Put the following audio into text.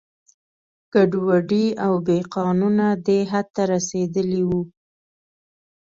ګډوډي او بې قانونه دې حد ته رسېدلي وو.